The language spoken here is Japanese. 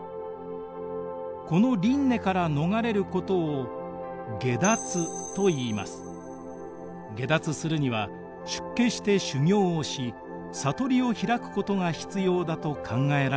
この輪廻から逃れることを解脱するには出家して修行をし悟りを開くことが必要だと考えられていました。